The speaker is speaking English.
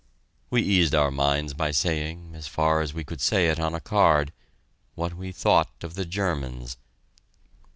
We eased our minds by saying, as far as we could say it on a card, what we thought of the Germans.